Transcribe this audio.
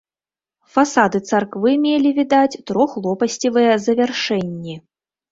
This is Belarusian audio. Фасады царквы мелі, відаць, трохлопасцевыя завяршэнні.